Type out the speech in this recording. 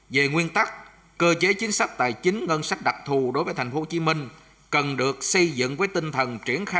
về nguyên tắc cơ chế chính sách tài chính ngân sách đặc thù đối với thành phố hồ chí minh cần được xây dựng với tinh thần triển khai